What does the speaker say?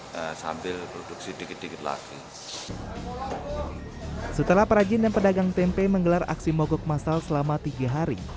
pembelian menggelar aksi mogok masal selama tiga hari